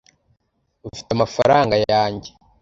ufite amafaranga yanjye